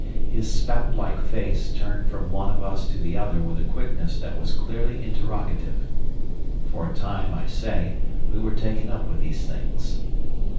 His spout like face turned from one of us to the other with a quickness that was clearly interrogative. For a time, I say, we were taken up with these things.